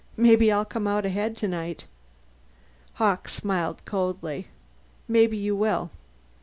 Maybe I'll come out ahead tonight." Hawkes smiled coldly. "Maybe you will.